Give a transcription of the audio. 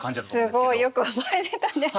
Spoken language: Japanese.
すごいよく覚えてたね。